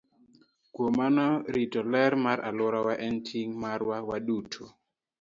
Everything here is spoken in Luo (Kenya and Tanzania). Kuom mano, rito ler mar alworawa en ting' marwa waduto.